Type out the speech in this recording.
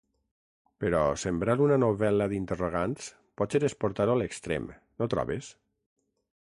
Però sembrar una novel·la d'interrogants potser és portar-ho a l'extrem, no trobes?